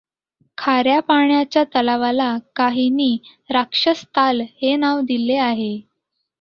खाऱ्य़ा पाण्याच्या तलावाला काहीनी राक्षसताल हे नाव दिले आहे.